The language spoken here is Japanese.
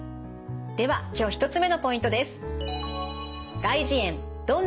では今日１つ目のポイントです。